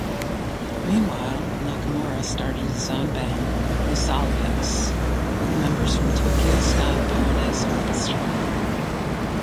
Meanwhile, Nakamura started his own band "Losalios" with members from Tokyo Ska Paradise Orchestra.